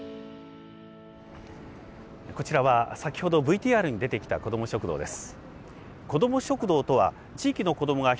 こちらは先ほどＶＴＲに出てきたこども食堂です。